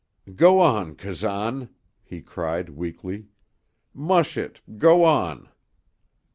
"Go on, Kazan!" he cried, weakly. "Mush it go on!"